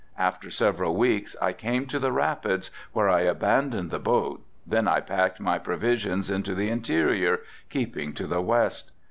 After several weeks I came to the rapids, where I abandoned the boat, then I packed my provisions into the interior, keeping to the west.